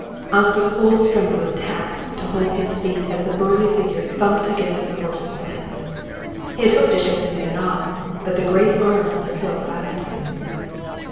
Oscar's whole strength was taxed to hold his seat as the burly figure thumped against the horse's flanks. He had hoped to shake the man off, but the great arms still clasped him.